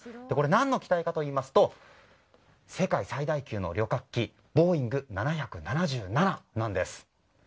何の機体かといいますと世界最大級の旅客機「ボーイング７７７」なんです。